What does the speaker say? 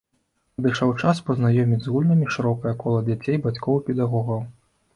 Надышоў час пазнаёміць з гульнямі шырокае кола дзяцей, бацькоў і педагогаў.